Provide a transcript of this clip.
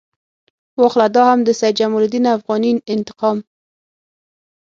واخله دا هم د سید جمال الدین افغاني انتقام.